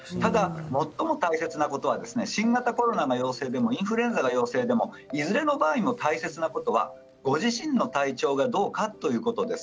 最も大切なことは新型コロナの陽性もインフルエンザの陽性でもいずれの場合も大切なことはご自身の体調がどうかということです。